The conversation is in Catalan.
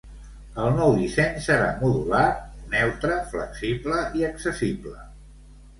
El nou disseny serà modular, neutre, flexible i accessible.